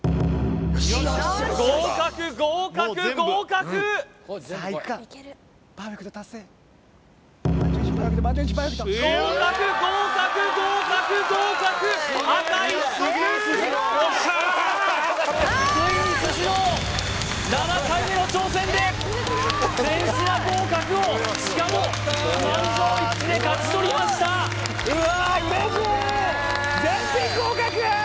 合格合格合格合格合格合格合格赤一色ついにスシロー７回目の挑戦で全品合格をしかも満場一致で勝ち取りましたすごい！